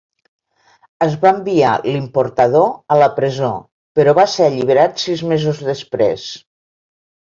Es va enviar l'importador a la presó, però va ser alliberat sis mesos després.